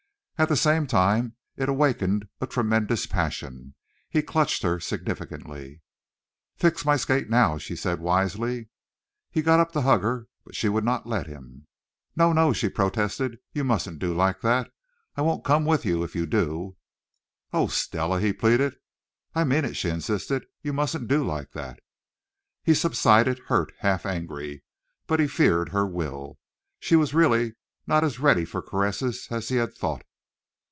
At the same time it awakened a tremendous passion. He clutched her significantly. "Fix my skate, now," she said wisely. He got up to hug her but she would not let him. "No, no," she protested. "You mustn't do like that. I won't come with you if you do." "Oh, Stella!" he pleaded. "I mean it," she insisted. "You mustn't do like that." He subsided, hurt, half angry. But he feared her will. She was really not as ready for caresses as he had thought.